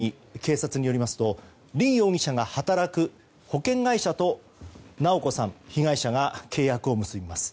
一昨年の９月に警察によりますと凜容疑者が働く保険会社と直子さん、被害者が契約を結びます。